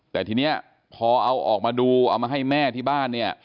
แต่ทีนี้พอเอาออกมาดูเอามาให้แม่ที่บ้านเนี่ย